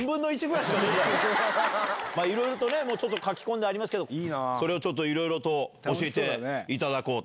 いろいろともう書き込んでありますけどそれを教えていただこうと。